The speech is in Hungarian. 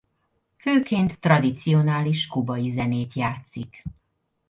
Főként tradicionális kubai zenét játszik.